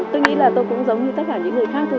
tôi nghĩ là tôi cũng giống như tất cả những người khác thôi